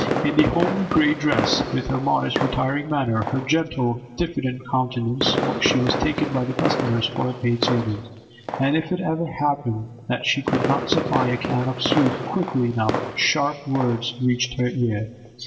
In the homely grey dress, with her modest, retiring manner, her gentle, diffident countenance, she was taken by the customers for a paid servant, and if ever it happened that she could not supply a can of soup quickly enough sharp words reached her ear.